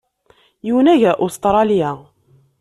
Yunag ɣer Ustṛalya.